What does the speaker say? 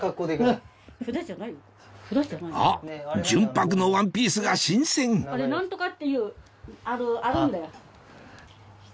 あっ純白のワンピースが新鮮何とかっていうあるんだよ。